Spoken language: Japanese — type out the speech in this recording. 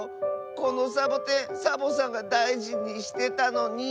このサボテンサボさんがだいじにしてたのに。